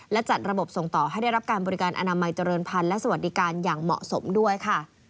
และจัดระบบส่งต่อให้ได้รับการบริการอนามัยเจริญพันธ์และสวัสดิการอย่างเหมาะสมด้วยค่ะ